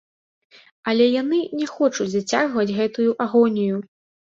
Але яны не хочуць зацягваць гэтую агонію.